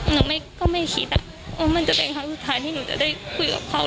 หนูก็ไม่คิดว่ามันจะเป็นครั้งสุดท้ายที่หนูจะได้คุยกับเขา